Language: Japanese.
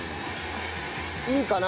いいかな？